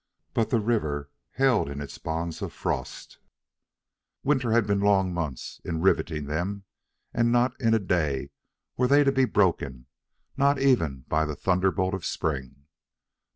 But the river held in its bonds of frost. Winter had been long months in riveting them, and not in a day were they to be broken, not even by the thunderbolt of spring.